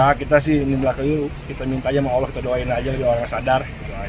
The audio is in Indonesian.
ya kita sih kita minta aja mohon allah kita doain aja doa orang yang sadar